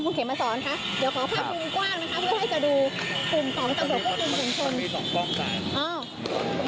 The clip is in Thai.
เดี๋ยวขอภาพภูมิกว้างนะคะเพื่อให้จะดูกลุ่มของส่วนส่วนกลุ่มส่วนชน